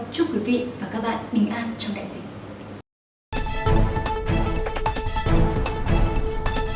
chúc quý vị và các bạn bình an trong đại dịch